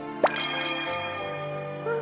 あっ。